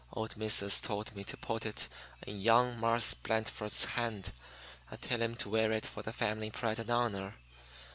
Old Missus told me to put it in young Marse Blandford's hand and tell him to wear it for the family pride and honor.